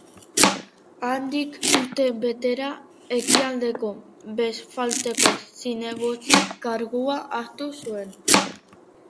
Handik urtebetera, Ekialdeko Belfasteko zinegotzi kargua hartu zuen.